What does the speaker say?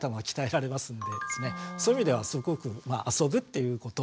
そういう意味ではすごく遊ぶっていうことをですね